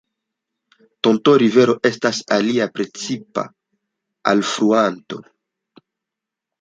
Tonto-Rivero estas alia precipa alfluanto.